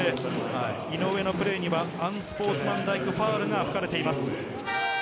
井上のプレーにはアンスポーツマンライクファウルが吹かれています。